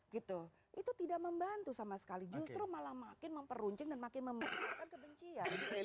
gitu itu tidak membantu sama sekali justru malah makin memperuncing dan makin membesarkan kebencian